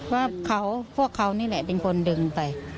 ว่าเขาพวกเขานี่แหละเป็นคนดึงไป